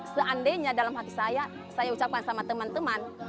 seandainya dalam hati saya saya ucapkan sama teman teman